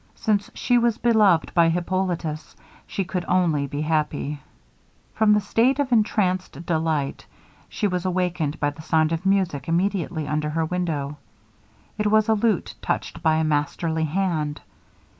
Since she was beloved by Hippolitus, she could only be happy. From this state of entranced delight, she was awakened by the sound of music immediately under her window. It was a lute touched by a masterly hand.